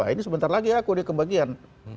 ini sebentar lagi aku dikebagian